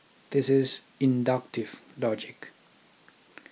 This is inductive logic.